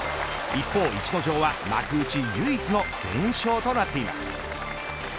一方、逸ノ城は幕内唯一の全勝となっています。